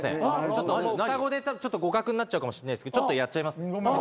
ちょっと双子で互角になっちゃうかもしれないですけどちょっとやっちゃいます。